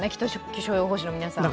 気象予報士の皆さん。